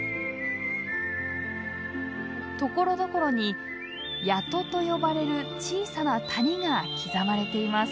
ところどころに「谷戸」と呼ばれる小さな谷が刻まれています。